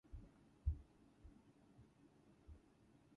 Brakemen's "doghouse" shacks were built on the rear tender decks.